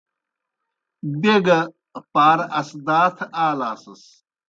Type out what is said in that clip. بیْہ گہ پار اسدا تھہ آلاسَس۔